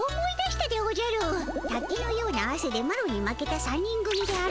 たきのようなあせでマロに負けた３人組であろ？